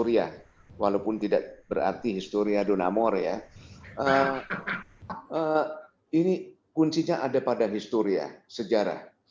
dengan historia walaupun tidak berarti historia dona more ya ini kuncinya ada pada historia sejarah